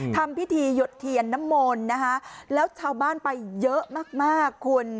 ทำพิธีหยดเทียนนมนรแล้วชาวบ้านไปเยอะมาก